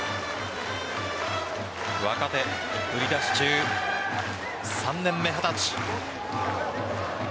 若手、売り出し中３年目、二十歳。